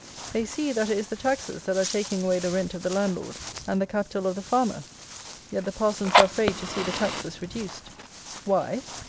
They see, that it is the taxes that are taking away the rent of the landlord and the capital of the farmer. Yet the parsons are afraid to see the taxes reduced. Why?